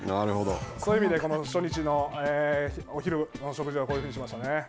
そういう意味で初日のお昼の食事はこういうふうにしましたね。